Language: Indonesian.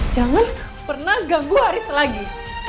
jangan pernah ganggu haris lagi